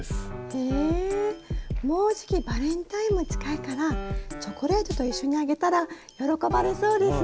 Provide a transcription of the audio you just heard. へえもうじきバレンタインも近いからチョコレートと一緒にあげたら喜ばれそうですね。